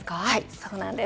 そうなんです。